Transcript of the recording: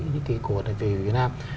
những cái cổ vật này về việt nam